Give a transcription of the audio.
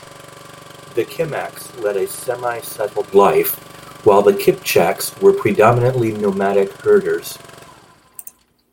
The Kimaks led a semi-settled life, while the Kipchaks were predominantly nomadic herders.